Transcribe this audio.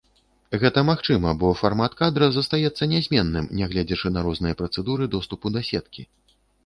Гэта магчыма, бо фармат кадра застаецца нязменным, нягледзячы на розныя працэдуры доступу да сеткі.